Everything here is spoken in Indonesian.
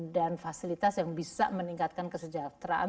dan fasilitas yang bisa meningkatkan kesejahteraan